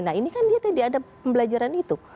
nah ini kan dia tadi ada pembelajaran itu